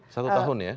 satu tahun ya